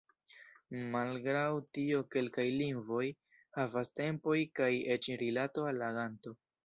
Malgraŭ tio, kelkaj lingvoj havas tempojn kaj eĉ rilato al aganto.